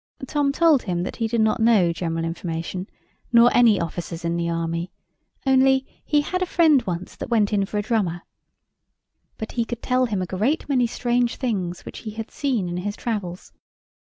Tom told him that he did not know general information, nor any officers in the army; only he had a friend once that went for a drummer: but he could tell him a great many strange things which he had seen in his travels.